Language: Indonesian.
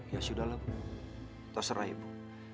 ya sudah lah terserah ibu